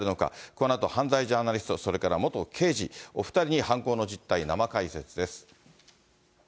このあと犯罪ジャーナリスト、それから元刑事、お２人に犯行の実態、生解説です。